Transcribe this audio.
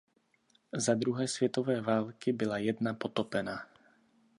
Za druhé světové války byla jedna potopena.